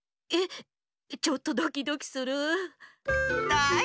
えっちょっとドキドキするう。